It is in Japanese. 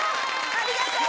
ありがとう！